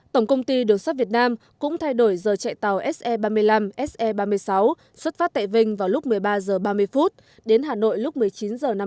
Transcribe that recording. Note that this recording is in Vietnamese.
tổng công ty đường sắt việt nam cũng thay đổi giờ chạy tàu se ba mươi năm se ba mươi sáu xuất phát tại vinh vào lúc một mươi ba h ba mươi đến hà nội lúc một mươi chín h năm hai nghìn hai mươi